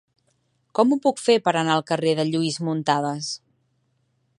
Com ho puc fer per anar al carrer de Lluís Muntadas?